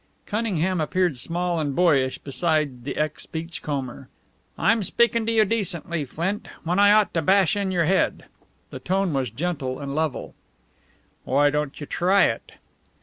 Cunningham appeared small and boyish beside the ex beachcomber. "I'm speaking to you decently, Flint, when I ought to bash in your head." The tone was gentle and level. "Why don't you try it?"